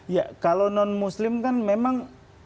ya kalau non muslim kan memang